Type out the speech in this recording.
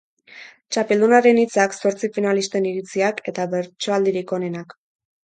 Txapeldunaren hitzak, zortzi finalisten iritziak eta bertsoaldirik onenak.